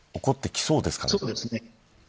そうですね。